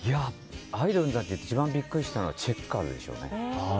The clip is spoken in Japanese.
アイドルになって一番ビックリしたのはチェッカーズですね。